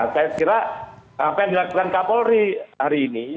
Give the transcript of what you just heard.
saya kira apa yang dilakukan kapolri hari ini